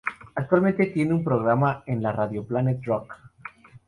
Actualmente tiene un programa en la radio Planet Rock.